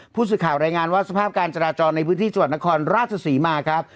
ผู้สื่อข่าวรายงานว่าสภาพการจราจรในพื้นที่จังหวัดนครราชศรีมาครับ